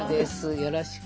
よろしく。